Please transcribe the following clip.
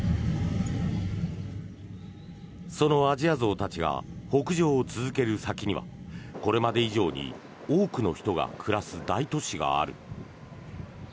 そのアジアゾウたちが北上を続ける先にはこれまで以上に多くの人が暮らす大都市がある。